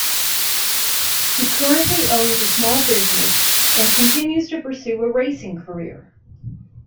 He currently owns a small business and continues to pursue a racing career.